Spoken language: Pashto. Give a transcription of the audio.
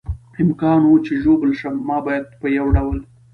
امکان و، چې ژوبل شم، ما باید په یو ډول.